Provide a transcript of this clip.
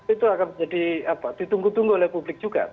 itu akan menjadi ditunggu tunggu oleh publik juga